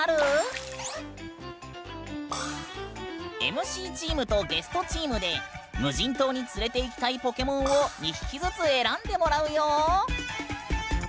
ＭＣチームとゲストチームで無人島に連れていきたいポケモンを２匹ずつ選んでもらうよ！